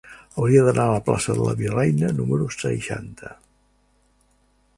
Hauria d'anar a la plaça de la Virreina número seixanta.